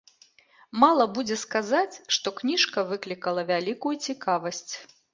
Мала будзе сказаць, што кніжка выклікала вялікую цікавасць.